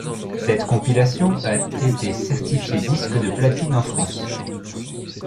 Cette compilation a été certifiée disque de platine en France.